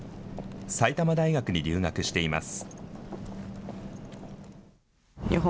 埼玉大学に留学しています。